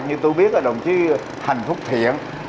như tôi biết là đồng chí thành phúc thiện